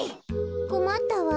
こまったわ。